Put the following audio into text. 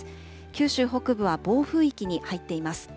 九州北部は暴風域に入っています。